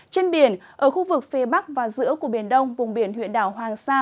trên biển ở khu vực phía bắc và giữa của biển đông vùng biển huyện đảo hoàng sa